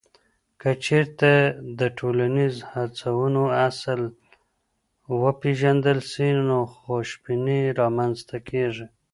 که چیرته د ټولنیزو هڅونو اصل وپېژندل سي، نو خوشبیني رامنځته کیږي.